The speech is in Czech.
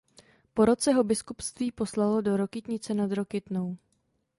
Po roce ho biskupství poslalo do Rokytnice nad Rokytnou.